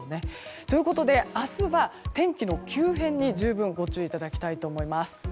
ということで、明日は天気の急変に十分ご注意いただきたいと思います。